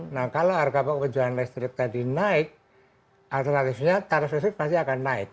nah kalau harga pokok jualan listrik tadi naik alternatifnya tarif listrik pasti akan naik